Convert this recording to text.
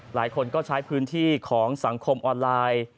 หลายคนก็ใช้พื้นที่ของสังคมออนไลน์